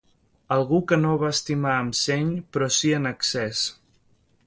Algú que no va estimar amb seny però sí en excés